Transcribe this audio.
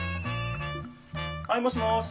はいもしもし。